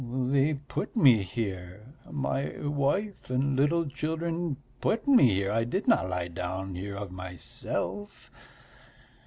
"They put me here, my wife and little children put me here, I did not lie down here of myself.